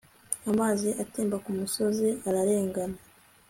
amazi atemba kumusozi ararengana